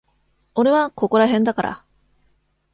俺はここらへんだから。